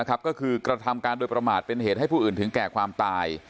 ก็คือกระทำการโดยประมาทเป็นเหตุให้ผู้อื่นถึงแก่ความตาย